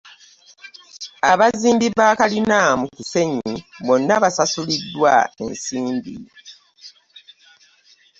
Abazimbi be kalina mu Kisenyi bonna basasuliddwa ensimbi.